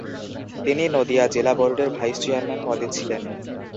তিনি নদীয়া জেলা বোর্ডের ভাইস-চেয়ারম্যান পদে ছিলেন।